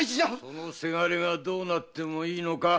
そのせがれがどうなってもいいのか？